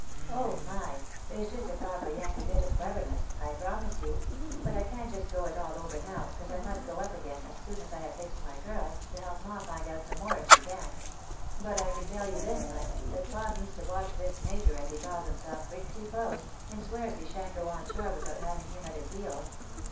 " Oh my ! It is just a proper Yankee bit of cleverness, I promise you ; but I can't just go it all over now, 'cause I must go up again as soon as I have fixed my curls, to help ma find out some more if she can ; but I can tell you this much, that pa means to watch this major, as he calls himself, pretty close, and swears he shan't go on shore without having him at his heels.